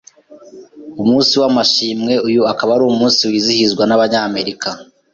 umunsi w’amashimwe. Uyu akaba ari umunsi wizihizwa n’abanyamerika